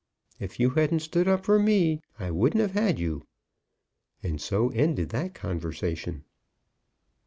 If you hadn't stood up for me I wouldn't have had you." And so ended that conversation.